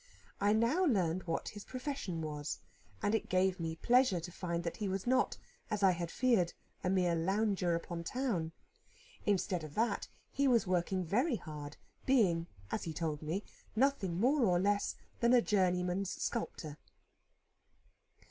I now learned what his profession was; and it gave me pleasure to find that he was not, as I had feared, a mere lounger upon town. Instead of that, he was working very hard, being (as he told me) nothing more or less than a journeyman sculptor.